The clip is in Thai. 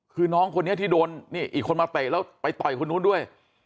คือน้องคนนี้ที่โดนนี่อีกคนมาเตะแล้วไปต่อยคนนู้นด้วย